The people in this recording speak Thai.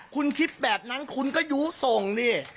คุณคิดแบบนั้นคุณก็ยู้ส่งนี่